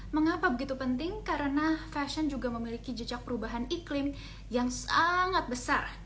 mengapa begitu penting karena fashion juga memiliki jejak perubahan iklim yang sangat besar